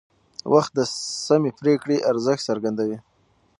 وخت د سمې پرېکړې ارزښت څرګندوي